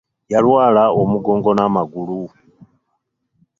Yalwala omugongo n'amagulu.